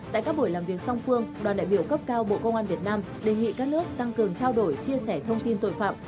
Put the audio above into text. tại các buổi làm việc song phương đoàn đại biểu cấp cao bộ công an việt nam đề nghị các nước tăng cường trao đổi chia sẻ thông tin tội phạm